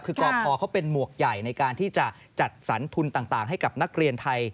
คือกพเขาเป็นหมวกใหญ่ในการที่จะจัดสรรทุนต่างให้กับนักเรียนไทย